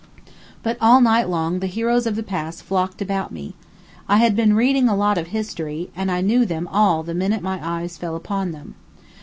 But all night long the heroes of the past flocked about me. I had been reading a lot of history, and I knew them all the minute my eyes fell upon them.